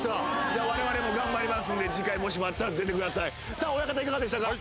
じゃあ我々も頑張りますんで次回もしもあったら出てくださいさあ親方いかがでしたか？